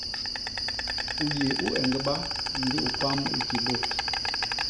U yéé u eñgba ndi u pam i ti bôt.